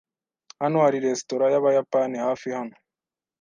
Hano hari resitora yabayapani hafi hano?